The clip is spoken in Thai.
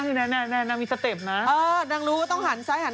นี่ฉันก็มีคนที่เด้นเก่งเหมือนกันเถอะ